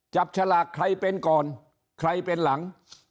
ฉลากใครเป็นก่อนใครเป็นหลัง